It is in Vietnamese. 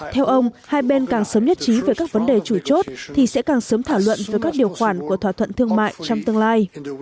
theo ông hai bên càng sớm nhất trí về các vấn đề chủ chốt thì sẽ càng sớm thảo luận với các điều khoản của thỏa thuận thương mại trong tương lai